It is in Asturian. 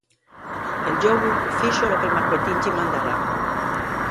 El ḷḷobu fixo lo que'l magüetín-ḷḷy mandara.